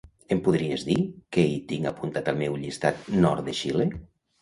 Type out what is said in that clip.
Em podries dir què hi tinc apuntat al meu llistat "nord de Xile"?